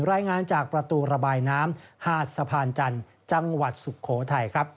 รายงานจากประตูระบายน้ำหาดสะพานจันทร์จังหวัดสุโขทัยครับ